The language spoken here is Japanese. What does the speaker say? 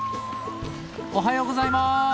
おはようございます！